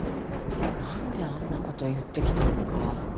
なんであんな事言ってきたのか。